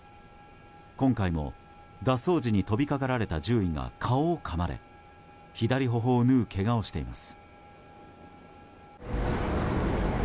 今回も脱走時に飛びかかられた獣医が顔をかまれ左頬を縫うけがをしています。